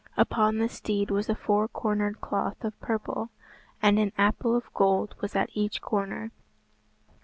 Upon the steed was a four cornered cloth of purple, and an apple of gold was at each corner.